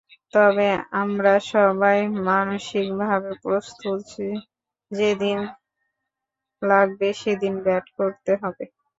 তবে আমরা সবাই মানসিকভাবে প্রস্তুত, যেদিন লাগবে সেদিন ব্যাট করতে হবে।